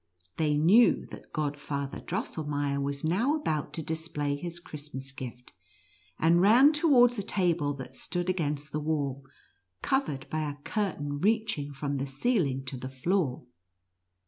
They knew that Godfather Dros selmeier was now about to display his Christmas gift, and ran towards a table that stood against the wall, covered by a curtain reaching from the ceiling to the floor.